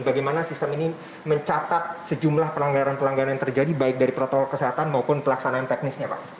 bagaimana sistem ini mencatat sejumlah pelanggaran pelanggaran yang terjadi baik dari protokol kesehatan maupun pelaksanaan teknisnya pak